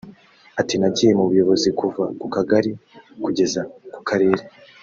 Ati "Nagiye mu buyobozi kuva ku kagari kugeza ku Karere